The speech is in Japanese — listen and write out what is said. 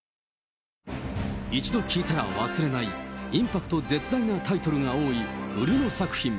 一度聞いたら忘れない、インパクト絶大なタイトルが多い売野作品。